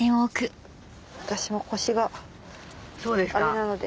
私も腰があれなので。